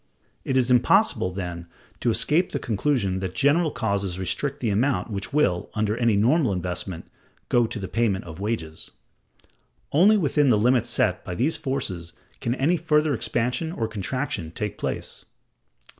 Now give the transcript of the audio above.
It is impossible, then, to escape the conclusion that general causes restrict the amount which will, under any normal investment, go to the payment of wages. Only within the limits set by these forces can any further expansion or contraction take place.